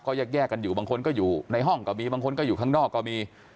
แยกกันอยู่บางคนก็อยู่ในห้องก็มีบางคนก็อยู่ข้างนอกก็มี